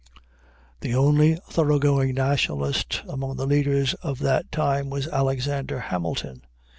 The only thorough going nationalist among the leaders of that time was Alexander Hamilton.